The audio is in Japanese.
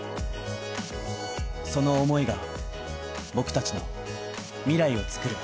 その思いが僕達の未来をつくる